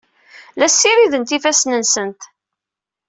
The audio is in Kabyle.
La ssirident ifassen-nsent.